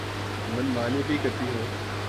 من مانی بھی کرتی ہوں۔